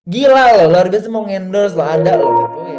gila loh luar biasa mau endorse lah ada loh